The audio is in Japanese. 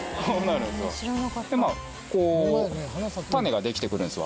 でまあこう種ができてくるんですわ。